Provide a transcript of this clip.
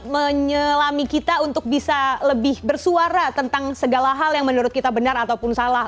menyelami kita untuk bisa lebih bersuara tentang segala hal yang menurut kita benar ataupun salah